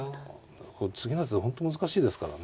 次の手本当難しいですからね。